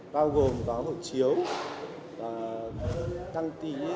bao gồm có hội chiếu